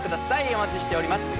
お待ちしております。